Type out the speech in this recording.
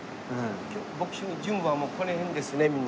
ボクシングジムはもうこの辺ですねみんな。